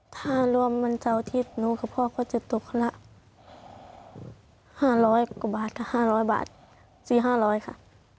ถ้ารวมวันเสาร์อาทิตย์หนูกับพ่อก็จะตกคนละ๕๐๐กว่าบาทกับ๕๐๐บาท๔๕๐๐ค่ะ